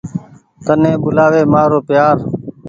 تني ٻولآوي مآرو پيآر۔